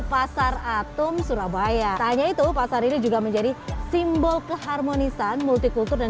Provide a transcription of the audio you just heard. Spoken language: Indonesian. pasar atom surabaya tanya itu pasar ini juga menjadi simbol keharmonisan multi kultur dan